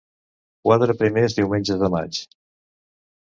Quatre primers diumenges de maig.